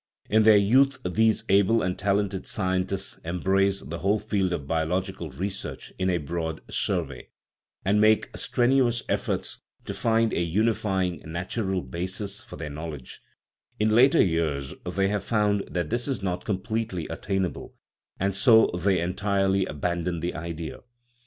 In their youth these able and tal ented scientists embrace the whole field of biological research in a broad survey, and make strenuous efforts to find a unifying, natural basis for their knowledge ; in their later years they have found that this is not com pletely attainable, and so they entirely abandon the idea.